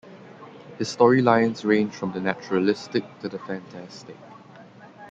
His story lines range from the naturalistic to the fantastic.